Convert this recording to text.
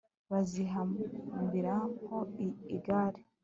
bazihambiraho igare